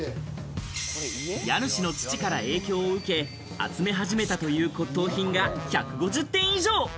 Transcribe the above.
家主の父から影響を受け、集め始めたという骨董品が１５０点以上。